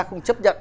không chấp nhận